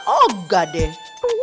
oh enggak deh